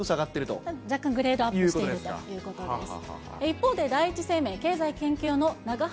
若干グレードアップしているということです。